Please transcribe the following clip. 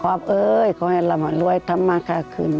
ออฟเฮ้ยเค้าให้เรามารวยทำมาค่าคืน